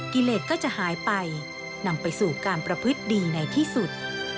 กิเลสก็จะหายไปนำไปสู่การประพฤติดีในที่สุด